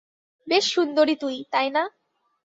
বেশ সুন্দরী তুই, তাই না?